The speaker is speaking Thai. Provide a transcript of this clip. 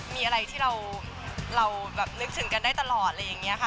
มีอะไรที่เรานึกถึงกันได้ตลอดอะไรอย่างนี้ค่ะ